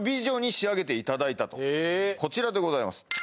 こちらでございます